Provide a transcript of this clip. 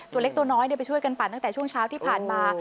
ตัวเล็กตัวน้อยไปช่วยกันปั่นตั้งแต่ช่วงเช้าที่ผ่านมา